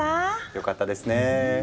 よかったですねぇ。